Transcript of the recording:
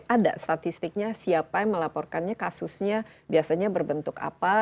ada statistiknya siapa yang melaporkannya kasusnya biasanya berbentuk apa